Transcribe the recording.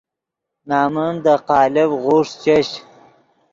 نَمن دے قالب غوݰ چش